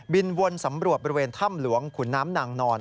วนสำรวจบริเวณถ้ำหลวงขุนน้ำนางนอน